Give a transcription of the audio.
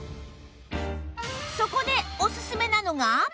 そこでおすすめなのが